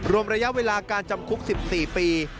ระยะเวลาการจำคุก๑๔ปี